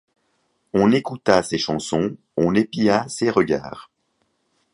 On écouta ses chansons, on épia ses regards.